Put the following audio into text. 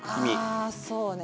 あそうね。